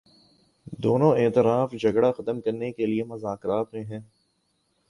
دونوں اطراف جھگڑا ختم کرنے کے لیے مذاکرات میں ہیں